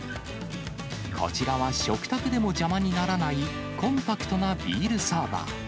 こちらは食卓でも邪魔にならない、コンパクトなビールサーバー。